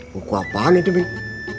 buku apaan itu bing